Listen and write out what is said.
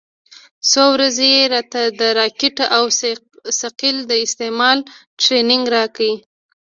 څو ورځې يې راته د راکټ او ثقيل د استعمال ټرېننگ راکړ.